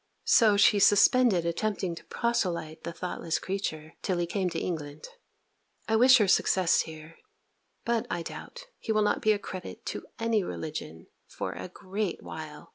So she suspended attempting to proselyte the thoughtless creature, till he came to England. I wish her success here: but, I doubt, he will not be a credit to any religion, for a great while.